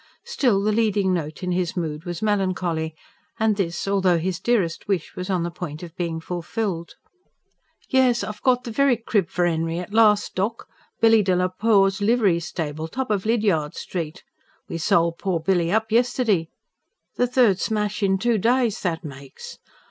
Still, the leading note in his mood was melancholy; and this, although his dearest wish was on the point of being fulfilled. "Yes, I've got the very crib for 'Enry at last, doc., Billy de la Poer's liv'ry stable, top o' Lydiard Street. We sol' poor Billy up yesterday. The third smash in two days that makes.